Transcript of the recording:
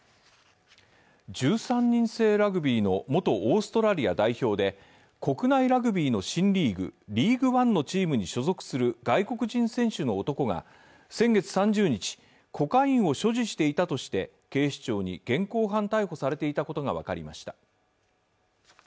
１３人制ラグビーの元オーストラリア代表で、国内ラグビーの新リーグＬＥＡＧＵＥＯＮＥのチームに所属する外国人選手の男が先月３０日、コカインを所持していたとして警視庁に現行犯逮捕されていたことが分かりました。